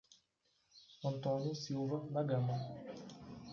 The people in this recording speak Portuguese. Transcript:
Antônio Silva da Gama